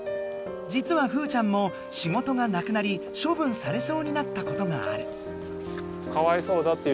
じつはふーちゃんも仕事がなくなり処分されそうになったことがある。